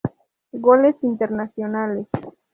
Goles Internacionales